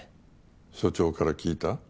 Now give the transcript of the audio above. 署長から聞いた？